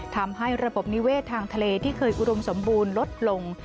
ทำให้ระบบนิเวศทางทะเลที่เคยอุดมสมบูรณ์ลดลง